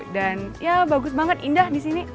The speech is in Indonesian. dan ya bagus banget indah di sini